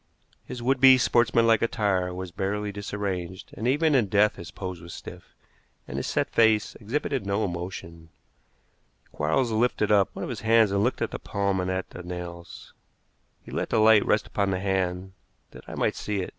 His would be sportsmanlike attire was barely disarranged, and even in death his pose was stiff, and his set face exhibited no emotion. Quarles lifted up one of his hands and looked at the palm and at the nails. He let the light rest upon the hand that I might see it.